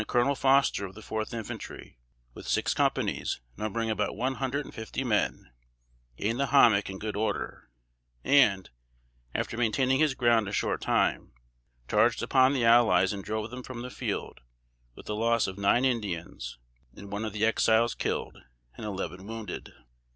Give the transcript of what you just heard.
Colonel Foster of the 4th Infantry, with six companies, numbering about one hundred and fifty men, gained the hommock in good order, and, after maintaining his ground a short time, charged upon the allies and drove them from the field, with the loss of nine Indians and one of the Exiles killed, and eleven wounded.